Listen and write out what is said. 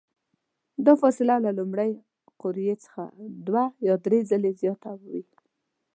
دا فاصله له لومړۍ قوریې څخه دوه یا درې ځلې زیاته وي.